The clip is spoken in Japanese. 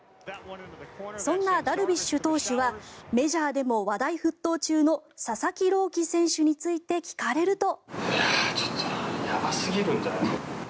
そんなダルビッシュ投手はメジャーでも話題沸騰中の佐々木朗希選手について聞かれると。